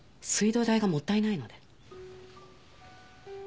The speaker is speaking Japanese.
水道代がもったいないので。